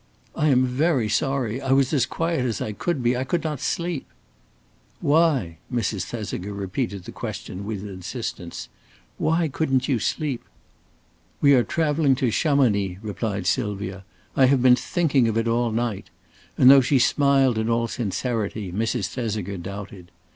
"I am very sorry. I was as quiet as I could be. I could not sleep." "Why?" Mrs. Thesiger repeated the question with insistence. "Why couldn't you sleep?" "We are traveling to Chamonix," replied Sylvia. "I have been thinking of it all night," and though she smiled in all sincerity, Mrs. Thesiger doubted.